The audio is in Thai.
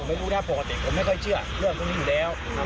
ไม่รู้นะปกติผมไม่ค่อยเชื่อเรื่องพวกนี้อยู่แล้ว